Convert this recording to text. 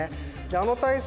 あの体勢